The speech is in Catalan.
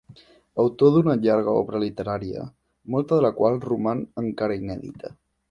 Autor d'una llarga obra literària, molta de la qual roman encara inèdita.